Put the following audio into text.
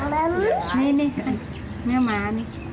นี่เนื้อหมานี่